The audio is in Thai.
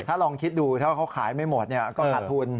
ถ้าขายไม่หมดเนี่ยก็ขาดทุน